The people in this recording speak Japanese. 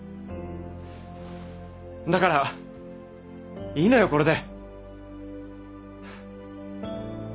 だからいいのよこれで。